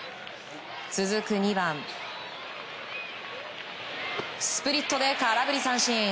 続く２番スプリットで空振り三振。